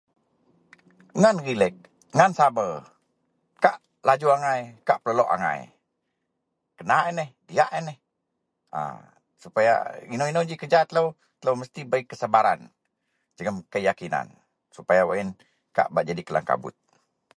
Ngan rilex, ngan saber, kak laju angai, kak pelelok angai, kena en neh, diyak en neh. [A] sepaya inou-inou ji kerja telou, telou mesti bei kesabaran jegem keyakinan sepaya wak yen jak bak nyadi kelangkabut.